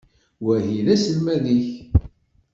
Wahi d aselmad-ik?